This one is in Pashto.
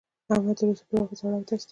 احمد تر اوسه پر هغه زاړه اودس دی.